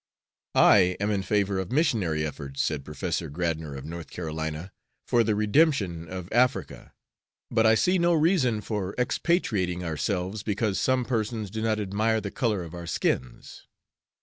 "I am in favor of missionary efforts," said Professor Gradnor, of North Carolina, "for the redemption of Africa, but I see no reason for expatriating ourselves because some persons do not admire the color of our skins."